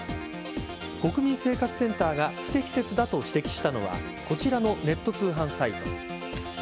国民生活センターが不適切だと指摘したのはこちらのネット通販サイト。